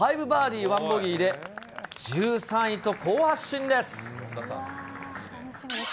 ５バーディー１ボギーで、１３位と好発進です。